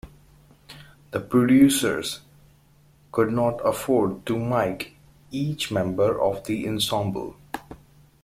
The producers could not afford to "mike" each member of the ensemble.